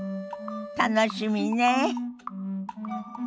楽しみねえ。